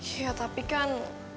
iya tapi kan